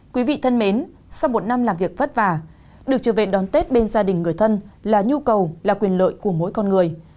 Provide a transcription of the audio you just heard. quý vị thân mến sau một năm làm việc vất vả được trở về đón tết bên gia đình người thân là nhu cầu là quyền lợi của mỗi con người